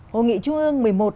hội nghị trung ương một mươi một